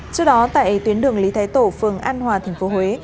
trước đó tại tuyến đường lý thái tổ phường an hòa tp huế